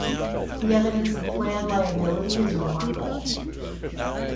The evidence of clan liability is remarkable.